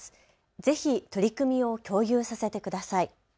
ぜひ取り組みを共有させてください。